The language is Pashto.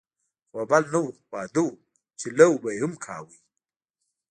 غوبل نه و، واده و چې لو به یې هم کاوه.